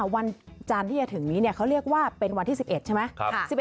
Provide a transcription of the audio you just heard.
วันจันทร์ที่จะถึงนี้เขาเรียกว่าเป็นวันที่๑๑ใช่ไหม